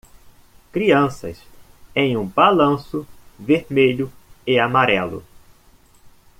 Crianças em um balanço vermelho e amarelo.